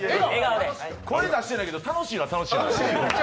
声出してないけど楽しいことは楽しい。